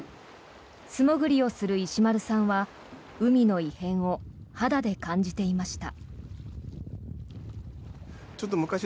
素潜りをする石丸さんは海の異変を肌で感じていました。